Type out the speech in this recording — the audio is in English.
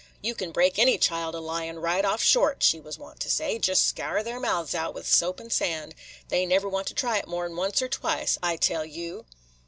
"You can break any child o' lying, right off short," she was wont to say. "Jest scour their mouths out with soap and sand. They never want to try it more 'n once or twice, I tell you."